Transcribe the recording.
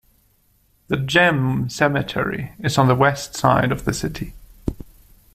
The Gem Cemetery is on the west side of the city.